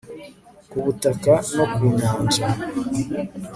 ku butaka no ku nyanja